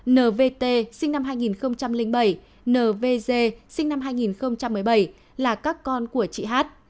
nvt sinh năm hai nghìn bảy nvg sinh năm hai nghìn một mươi bảy là các con của chị hát